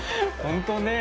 本当ね